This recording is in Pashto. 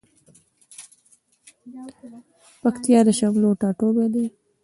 پکتيا د شملو ټاټوبی ده